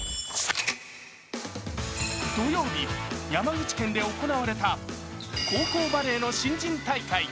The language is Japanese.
土曜日、山口県で行われた高校バレーの新人大会。